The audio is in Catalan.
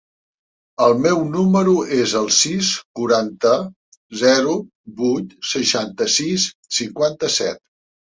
El meu número es el sis, quaranta, zero, vuit, seixanta-sis, cinquanta-set.